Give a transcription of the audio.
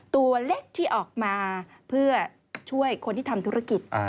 ตัวเล็กที่ออกมาเพื่อช่วยคนที่ทำธุรกิจ